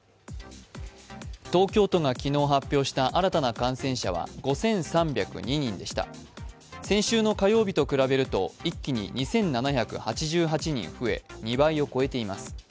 東京都が昨日発表した新たな感染者は５３０２人でした、先週の火曜日と比べると一気に２７８８人増え２倍を超えています。